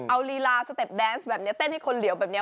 เอาลีลาสเต็ปแดนซ์แบบนี้เต้นให้คนเหลียวแบบนี้